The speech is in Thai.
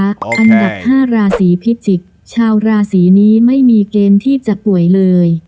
อันดับ๕ราศีพิจิกษ์ชาวราศีนี้ไม่มีเกณฑ์ที่จะป่วยเลย